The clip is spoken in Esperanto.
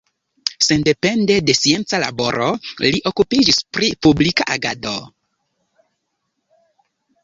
Sendepende de scienca laboro li okupiĝis pri publika agado.